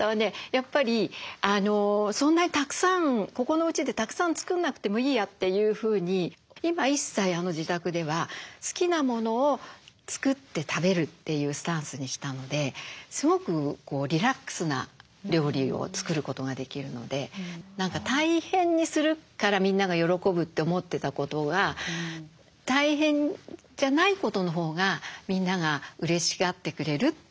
やっぱりそんなにたくさんここのうちでたくさん作んなくてもいいやっていうふうに今一切自宅では好きなものを作って食べるというスタンスにしたのですごくリラックスな料理を作ることができるので何か大変にするからみんなが喜ぶって思ってたことが「やっていいわよ」みたいなそういう感じはあります。